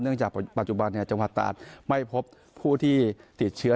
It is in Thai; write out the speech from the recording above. จากปัจจุบันจังหวัดตาดไม่พบผู้ที่ติดเชื้อ